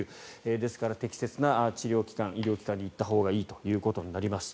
ですから、適切な医療機関に行ったほうがいいということになります。